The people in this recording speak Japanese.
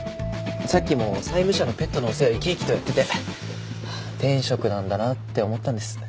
さっきも債務者のペットのお世話生き生きとやってて天職なんだなって思ったんです。